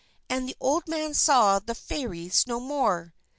And the old man saw the Fairies no more.